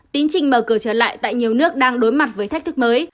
tín trình mở cửa trở lại tại nhiều nước đang đối mặt với thách thức mới